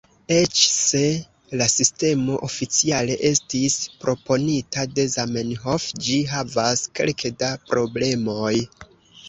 Eĉ se la sistemo oficiale estis proponita de Zamenhof, ĝi havas kelke da problemoj.